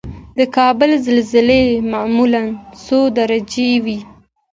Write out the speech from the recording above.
د کابل زلزلې معمولا څو درجې وي؟